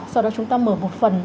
sau đó chúng ta mở một phần